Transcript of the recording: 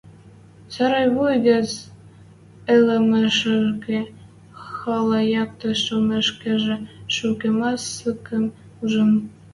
сарайвуй гӹц ытлымыкыжы, хала якте шомешкӹжӹ, шукы масакым ужын.